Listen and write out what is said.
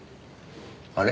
あれ？